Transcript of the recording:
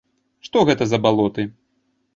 Што гэта за балоты?